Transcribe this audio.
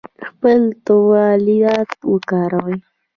خپل تولیدات وکاروئ